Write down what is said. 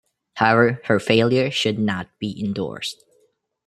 However, her failure should not be endorsed.